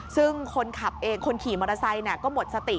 ซึ่งคนขับเองคนขี่มอเตอร์ไซค์ก็หมดสติ